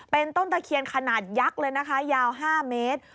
เป็นต้นตะเคียนขนาดยักษ์เลยนะคะยาว๕เมตร